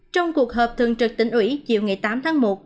trong cuộc họp thường trực tỉnh ủy chiều ngày tám tháng một